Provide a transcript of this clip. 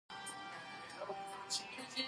مېوې د افغانانو د ژوند طرز هم په پوره توګه اغېزمنوي.